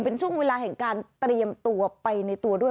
เป็นช่วงเวลาแห่งการเตรียมตัวไปในตัวด้วย